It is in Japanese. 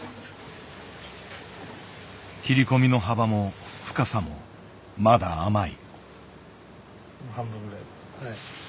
切り込みの幅も深さもまだ甘い。